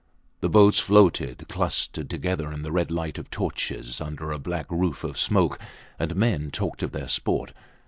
The boats floated, clustered together, in the red light of torches, under a black roof of smoke; and men talked of their sport.